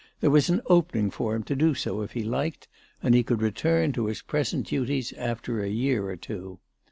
There was an opening for him to do so if he liked, and he could return to his present duties after a year or two.